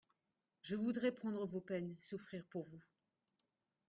Je voudrais prendre vos peines, souffrir pour vous.